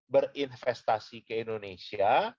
berinvestasi ke indonesia